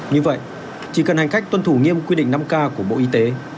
như vậy chỉ cần hành khách tuân thủ nghiêm quy định năm k của bộ y tế